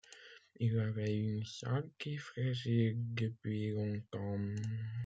Il avait une santé fragile depuis longtemps.